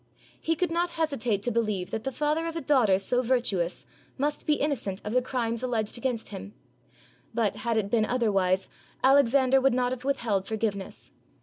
He could not hesitate to believe that the father of a daughter so virtuous must be innocent of the crimes alleged against him; but, had it been otherwise, Alexander would not have withheld forgiveness.